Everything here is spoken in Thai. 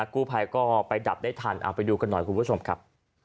กู้ภัยก็ไปดับได้ทันเอาไปดูกันหน่อยคุณผู้ชมครับ